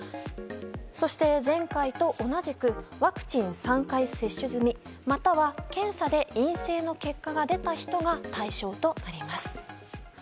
そして、前回と同じくワクチン３回接種済みまたは検査で陰性の結果が出た人が対象となります。